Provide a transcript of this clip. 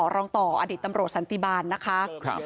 รองต่ออดีตตำรวจสันติบาลนะคะ